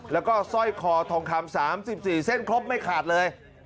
และก็สร้อยคอทองคำสามบาทสิบสี่เส้นครบไม่ขาดเลย